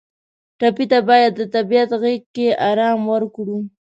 ټپي ته باید د طبیعت غېږ کې آرام ورکړو.